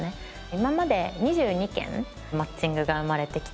今まで２２件マッチングが生まれてきて。